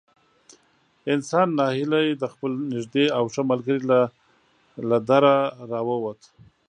انسان نا هیلی د خپل نږدې او ښه ملګري له دره را ووت.